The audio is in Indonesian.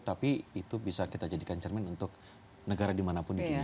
tapi itu bisa kita jadikan cermin untuk negara dimanapun di dunia